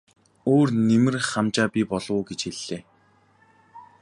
Өөр нэмэр хамжаа бий болов уу гэж хэллээ.